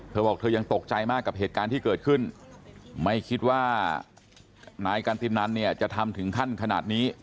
เธอบอกเธอยังตกใจมากกับเหตุการณ์ที่เกิดขึ้นไม่คิดว่านายกันตินันเนี่ยจะทำถึงขั้นขนาดนี้